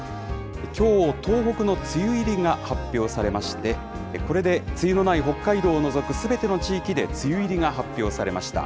きょう、東北の梅雨入りが発表されまして、これで梅雨のない北海道を除く、すべての地域で、梅雨入りが発表されました。